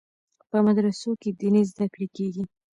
په مدرسو کې دیني زده کړې کیږي.